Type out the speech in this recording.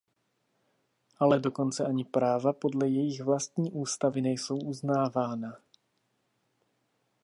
Ale dokonce ani práva podle jejich vlastní ústavy nejsou uznávána.